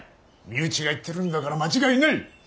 身内が言ってるんだから間違いない。